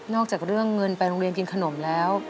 จากเรื่องเงินไปโรงเรียนกินขนมแล้ว